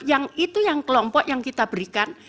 yang itu yang kelompok yang kita berikan